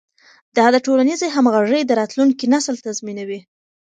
دا د ټولنیزې همغږۍ د راتلونکي نسل تضمینوي.